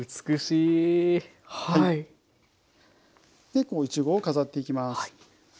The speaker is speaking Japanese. いちごを飾っていきます。